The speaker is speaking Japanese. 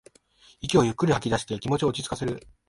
息をゆっくりと吐きだして気持ちを落ちつかせる